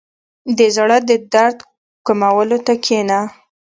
• د زړۀ د درد کمولو ته کښېنه.